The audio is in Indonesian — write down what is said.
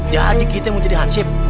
jadi kita yang mau jadi hansip